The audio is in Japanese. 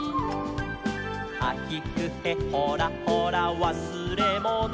「はひふへほらほらわすれもの」